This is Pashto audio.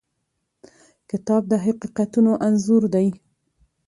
کتاب د حقیقتونو انځور دی.